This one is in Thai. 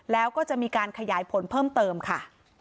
แล้วก็จะมีการขยายผลเพิ่มเติมค่ะ